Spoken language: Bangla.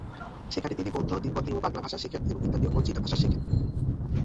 সেখানে তিনি বৌদ্ধ, তিববতি ও বাংলা ভাষা শেখেন এবং ইতালীয় ও চীনা ভাষা শেখেন।